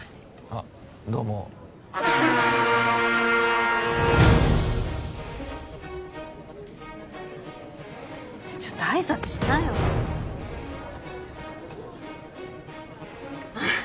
あっどうもちょっと挨拶しなよあっ